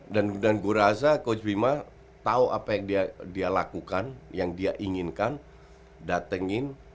dan gue rasa coach bima tau apa yang dia lakukan yang dia inginkan datengin